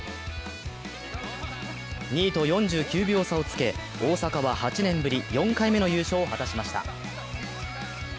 ２位と４９秒差をつけ、大阪は８年ぶり４回目の優勝を果たしました。